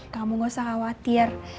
kamu nggak usah khawatir